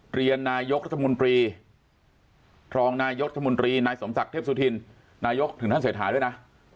เรียนนายกรัฐมนตรีรองนายกรัฐมนตรีนายสมศักดิ์เทพสุธินนายกถึงท่านเศรษฐาด้วยนะ